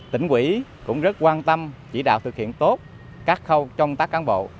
tỉnh quỷ cũng rất quan tâm chỉ đạo thực hiện tốt các khâu trong tác cán bộ